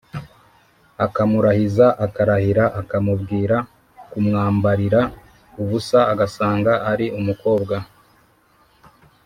akamurahiza akarahira, akamubwira kumwambarira ubusa agasanga ari umukobwa,